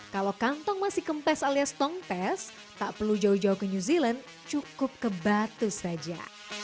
kalau kantong masih kempes alias tongpest tak perlu jauh jauh ke new zealand cukup ke batu saja